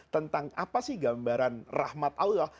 tentang apa sih gambaran rahmat allah